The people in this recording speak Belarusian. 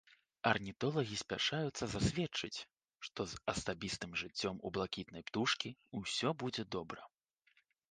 Арнітолагі спяшаюцца засведчыць, што з асабістым жыццём у блакітнай птушкі ўсё будзе добра.